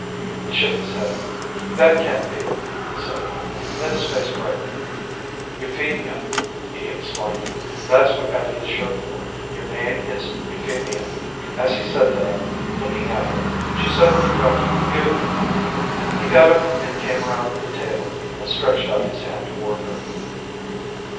He shook his head. "That can't be," he said. Then his face brightened. "Euphemia," he exclaimed. "That's what Effie is short for. Your name is Euphemia." As he said that, looking at her, she suddenly felt beautiful. He got up and came around the table and stretched out his hand toward her.